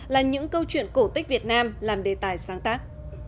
là những câu chuyện cổ tích việt nam làm đề tài sáng tác